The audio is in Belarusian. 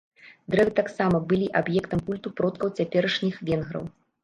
Дрэвы таксама былі аб'ектам культу продкаў цяперашніх венграў.